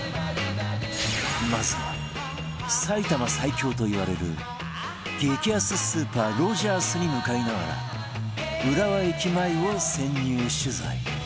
まずは埼玉最強といわれる激安スーパーロヂャースに向かいながら浦和駅前を潜入取材